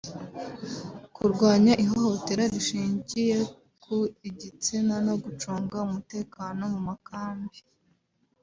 kurwanya ihohotera rishingiye ku gitsina no gucunga umutekano mu makambi